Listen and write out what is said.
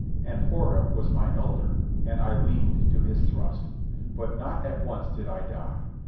And Horda was my elder, and I leaned to his thrust. But not at once did I die.